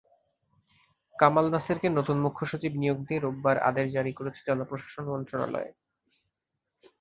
কামাল নাসেরকে নতুন মুখ্য সচিব নিয়োগ দিয়ে রোববার আদেশ জারি করেছে জনপ্রশাসন মন্ত্রণালয়।